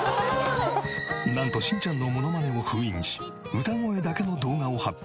なんとしんちゃんのモノマネを封印し歌声だけの動画を発表。